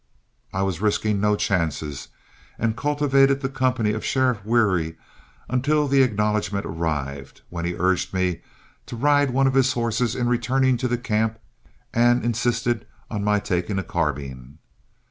I was risking no chances, and cultivated the company of Sheriff Wherry until the acknowledgment arrived, when he urged me to ride one of his horses in returning to camp, and insisted on my taking a carbine.